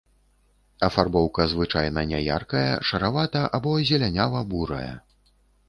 Афарбоўка звычайна няяркая шаравата- або зелянява-бурая.